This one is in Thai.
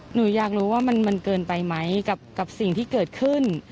หนูอยากรู้ว่ามันเกินไปไหมกับสิ่งที่เกิดขึ้น